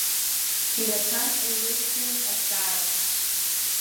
Ирацәан еиуеиԥшымыз азҵаарақәа.